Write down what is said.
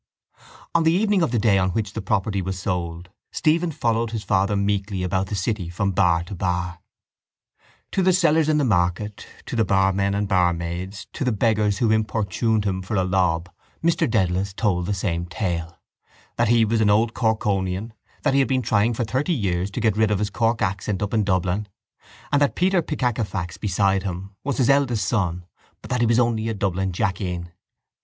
On the evening of the day on which the property was sold Stephen followed his father meekly about the city from bar to bar. To the sellers in the market, to the barmen and barmaids, to the beggars who importuned him for a lob Mr Dedalus told the same tale, that he was an old Corkonian, that he had been trying for thirty years to get rid of his Cork accent up in Dublin and that Peter Pickackafax beside him was his eldest son but that he was only a Dublin jackeen.